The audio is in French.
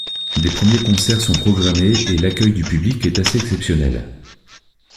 Des premiers concerts sont programmés et l'accueil du public est assez exceptionnel.